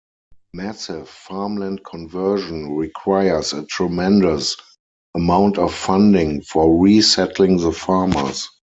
Massive farmland conversion requires a tremendous amount of funding for resettling the farmers.